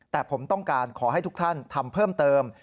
แต่ผมต้องการขอให้ทุกท่านทำเพิ่มเติม